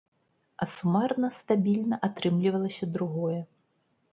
А сумарна стабільна атрымлівалася другое.